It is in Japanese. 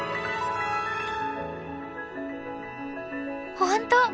本当！